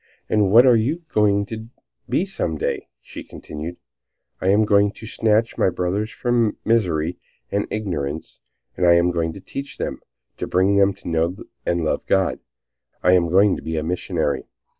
"And what are you going to be some day?" she continued. "I am going to snatch my brothers from misery and ignorance. I am going to teach them, to bring them to know and love God. I am going to be a missionary."